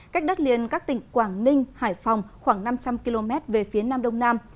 cách đất liền các tỉnh quảng ninh hải phòng khoảng năm trăm linh km về phía nam đông nam